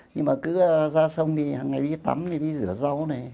nhưng mà cứ ra sông thì hằng ngày đi tắm đi rửa rau này